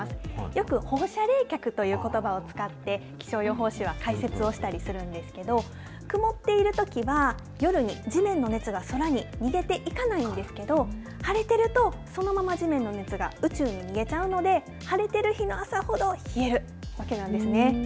よく放射冷却ということばを使って、気象予報士は解説をしたりするんですけど、曇っているときは、夜に地面の熱が空に逃げていかないんですけど、晴れてると、そのまま地面の熱が宇宙に逃げちゃうので、晴れてる日の朝ほど冷えるわけなんですね。